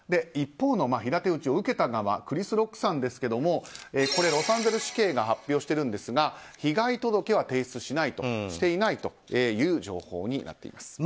一方、平手打ちを受けたクリス・ロックさんですがこれはロサンゼルス市警が発表しているんですが被害届は提出していないという情報になっています。